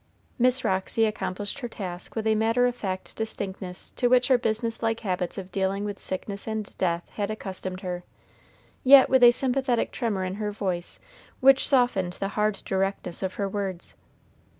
Miss Roxy accomplished her task with a matter of fact distinctness to which her business like habits of dealing with sickness and death had accustomed her, yet with a sympathetic tremor in her voice which softened the hard directness of her words.